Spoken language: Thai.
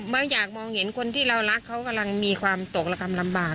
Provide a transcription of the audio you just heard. ไม่อยากมองเห็นคนที่เรารักเขากำลังมีความตกระกรรมลำบาก